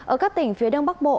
ở các tỉnh phía đông bắc bộ